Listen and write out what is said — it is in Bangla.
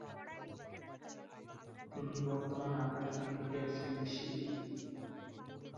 তিনি বর্তমানে আকাশবাণীর "এ" শ্রেণীর শিল্পী।